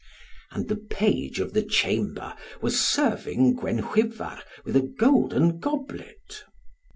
And the page of the chamber was serving Gwenhwyvar with a golden goblet.